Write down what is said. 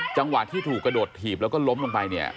จังหวะที่ถูกกระโดดถีบแล้วก็ล้มลงไปเนี่ย